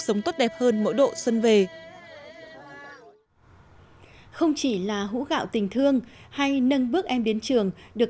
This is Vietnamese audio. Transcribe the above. sống tốt đẹp hơn mỗi độ xuân về không chỉ là hũ gạo tình thương hay nâng bước em đến trường được